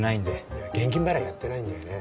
いや現金払いやってないんだよね。